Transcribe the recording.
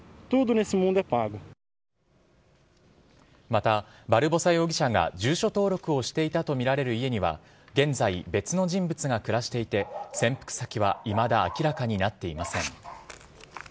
また、バルボサ容疑者が住所登録をしていたとみられる家には現在、別の人物が暮らしていて潜伏先はいまだ明らかになっていません。